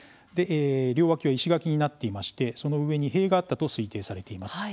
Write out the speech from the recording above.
両脇は石垣になっていましてその上に塀があったと推定されています。